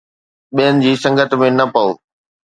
ٻين جي سنگت ۾ نه پئو